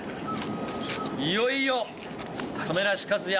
いよいよ、亀梨和也